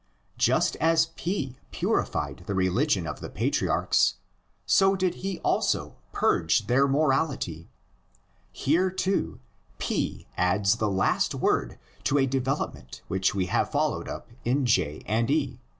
Just as P purified the religion of the patriarchs, so did he also purge their morality. Here, too, P adds the last word to a development which we have followed up in J and E.